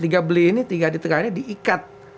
liga beli ini tiga di tengah ini diikat